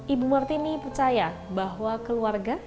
ibu martini percaya bahwa keluarga